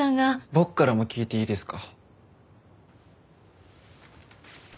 僕からも聞いていいですか？